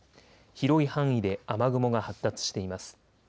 広い範囲で雨雲が発達しています。